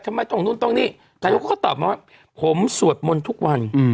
ทำไมต้องนู่นตรงนี้นายกเขาก็ตอบมาว่าผมสวดมนต์ทุกวัน